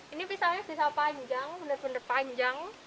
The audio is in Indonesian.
ini pisangnya bisa panjang benar benar panjang